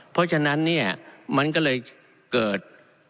เพราะฉะนั้นเนี่ยมันก็เลยเกิด